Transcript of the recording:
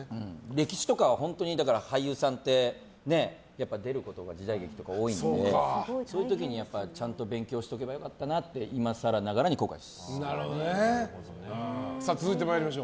歴史とかは本当に俳優さんって時代劇とかに出ることが多いのでそういう時にちゃんと勉強しておけばよかったなって今更ながらに後悔してます。